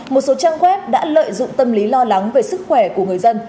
một số trang web đã lợi dụng tâm lý lo lắng về sức khỏe của người dân